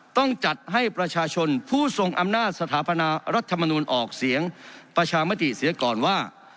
ต้องจัดให้ประชาชนผู้ทรงอำนาจสถาปนารัฐมนูลออกเสียงประชามติเสียก่อนว่า